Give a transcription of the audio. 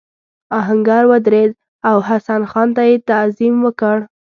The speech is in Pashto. آهنګر ودرېد او حسن خان ته یې تعظیم وکړ.